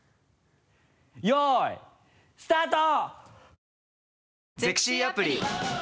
よいスタート！